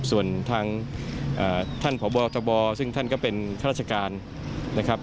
ส่วนทางท่านพบทบซึ่งท่านก็เป็นข้าราชการนะครับ